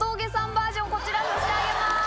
バージョンこちら差し上げます。